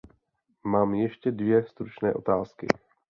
Mám ještě dvě stručné otázky.